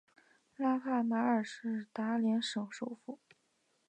拉帕尔马是达连省首府。